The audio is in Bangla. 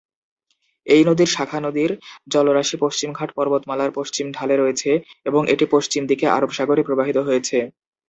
এই নদীর শাখা নদীর জলরাশি পশ্চিমঘাট পর্বতমালার পশ্চিম ঢালে রয়েছে, এবং এটি পশ্চিম দিকে আরব সাগরে প্রবাহিত হয়েছে।